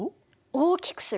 大きくする。